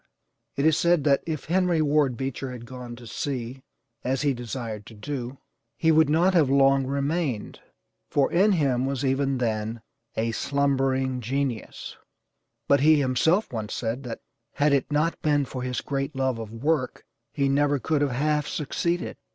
It is said that if Henry Ward Beecher had gone to sea, as he desired to do, he would not have long remained, for in him was even then a 'slumbering genius,' But he himself once said that had it not been for his great love of work he never could have half succeeded.